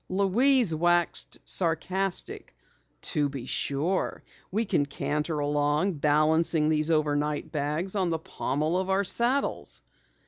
Louise waxed sarcastic. "To be sure. We can canter along balancing these overnight bags on the pommel of our saddles!"